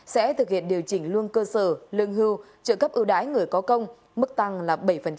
sẽ thực hiện điều chỉnh lương cơ sở lương hưu trợ cấp ưu đãi người có công mức tăng là bảy